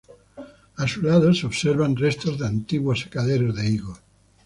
A su lado se observan restos de antiguos secaderos de higos.